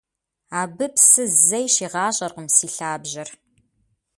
Абы псы зэи щигъащӀэркъым си лъабжьэр.